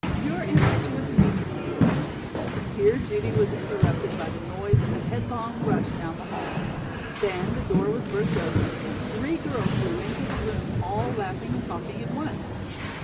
Your impetuous nature needs " Here Judy was interrupted by the noise of a headlong rush down the hall. Then the door was burst open and three girls blew into the room all laughing and talking at once.